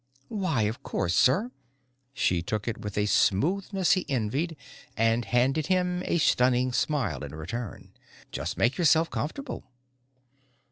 "Why, of course, sir." She took it with a smoothness he envied and handed him a stunning smile in return. "Just make yourself comfortable."